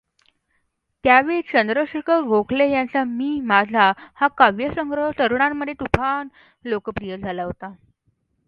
त्यावेळी चंद्रशेखर गोखले यांचा मी माझा हा काव्यसंग्रह तरुणांमध्ये तुफान लोकप्रिय झाला होता.